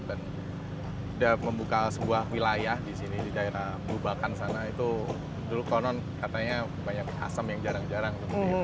dan dia membuka sebuah wilayah di sini di daerah bubakan sana itu dulu konon katanya banyak asam yang jarang jarang